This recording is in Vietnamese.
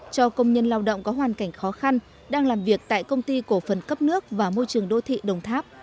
cho công nhân lao động có hoàn cảnh khó khăn đang làm việc tại công ty cổ phần cấp nước và môi trường đô thị đồng tháp